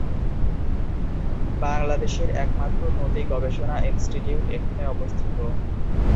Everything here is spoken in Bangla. বাংলাদেশের একমাত্র নদী গবেষণা ইনস্টিটিউট এখানে অবস্থিত।